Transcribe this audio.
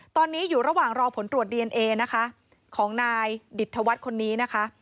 ตอนนี้อยู่ระหว่างรอผลตรวจดีเอนเอนะคะของนายดิตธวัฒน์คนนี้นะคะ